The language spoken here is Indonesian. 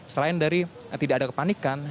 selain dari tidak ada kepanikan